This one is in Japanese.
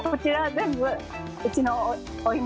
全部。